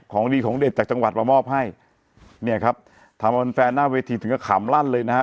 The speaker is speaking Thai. ของดีของเด็ดจากจังหวัดมามอบให้เนี่ยครับทำเอาแฟนแฟนหน้าเวทีถึงก็ขำลั่นเลยนะฮะ